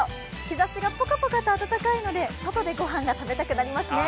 日ざしがポカポカと暖かいので外でご飯が食べたくなりますね。